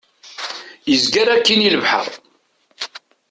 Izger akkin i lebḥer.